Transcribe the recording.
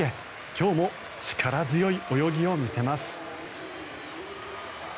今日も力強い泳ぎを見せます。